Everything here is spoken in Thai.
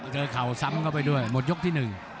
เจอข่าวซ้ำก็ไปด้วยหมดยกที่๑